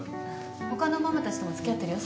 ほかのママたちとも付き合ってるよ